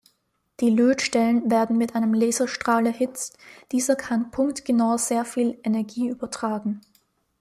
Die Lötstellen werden mit einem Laserstrahl erhitzt, dieser kann punktgenau sehr viel Energie übertragen.